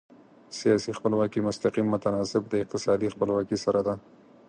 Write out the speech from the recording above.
سیاسي خپلواکي مستقیم متناسب د اقتصادي خپلواکي سره ده.